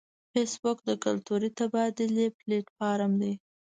فېسبوک د کلتوري تبادلې پلیټ فارم دی